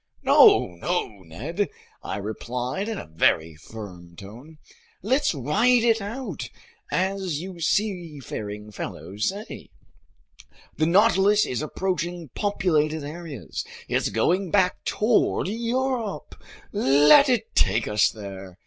"No, no, Ned," I replied in a very firm tone. "Let's ride it out, as you seafaring fellows say. The Nautilus is approaching populated areas. It's going back toward Europe, let it take us there.